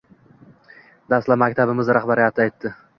Dastlab, maktabimiz rahbari aytdi.